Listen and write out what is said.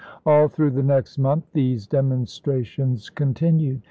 All through the next month these demonstrations continued.